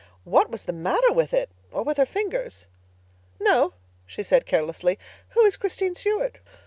What was the matter with it—or with her fingers? "No," she said carelessly. "Who is Christine Stuart?"